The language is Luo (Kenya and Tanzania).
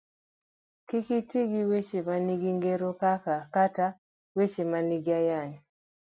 Kik iti gi weche manigi ngero kata weche manigi ayany.